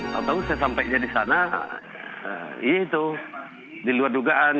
menurut pengetahuan penjajah dan kakak tanda air di sini berada di luar dugaan